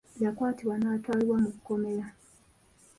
Yakwatibwa n'atwalibwa mu kkomera.